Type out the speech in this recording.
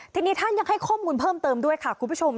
ทีนี้ท่านยังให้ข้อมูลเพิ่มเติมด้วยค่ะคุณผู้ชม